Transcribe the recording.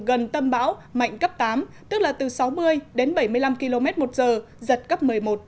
gần tâm bão mạnh cấp tám tức là từ sáu mươi đến bảy mươi năm km một giờ giật cấp một mươi một